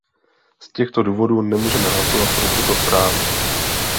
Z těchto důvodů nemůžeme hlasovat pro tuto zprávu.